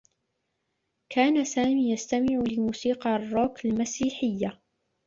كان سامي يستمع لموسيقى الرّوك المسيحيّة.